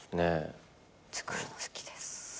つくるの好きです。